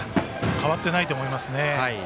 変わってないと思いますね。